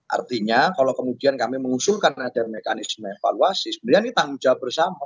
artinya kalau kemudian kami mengusulkan ada mekanisme evaluasi sebenarnya ini tanggung jawab bersama